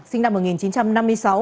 sinh năm hai nghìn một mươi chín